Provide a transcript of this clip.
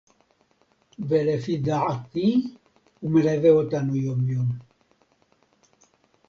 ולפי דעתי הוא מלווה אותנו יום-יום